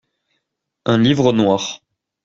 Un livre noir.